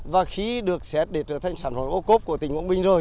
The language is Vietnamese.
và khi được xét để trở thành sản phẩm ô cốp của tỉnh quảng bình rồi